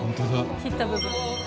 切った部分。